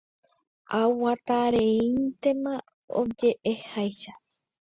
Aguatareíntema oje'eháicha.